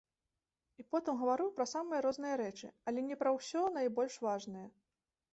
І потым гаварыў пра самыя розныя рэчы, але не пра ўсё найбольш важныя.